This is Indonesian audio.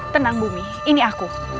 tenang bumi ini aku